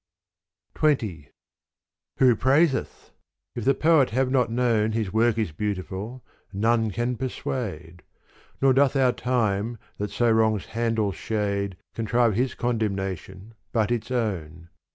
XX Who praiseth ? If the poet have not known His work is beautiful, none can persuade : Nor doth our time that so wrongs Handel's shade Contrive his condemnation but its own.